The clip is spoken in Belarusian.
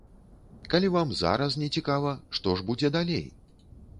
Калі вам зараз не цікава, што ж будзе далей?